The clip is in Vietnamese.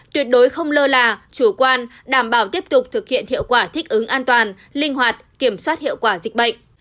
tuyệt đối không lơ là chủ quan đảm bảo tiếp tục thực hiện hiệu quả thích ứng an toàn linh hoạt kiểm soát hiệu quả dịch bệnh